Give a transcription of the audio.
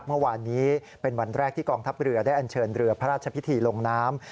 เมื่อวานนี้เป็นวันแรกที่กองทัพเรือได้อันเชิญเรือพระราชพิธีลงน้ำ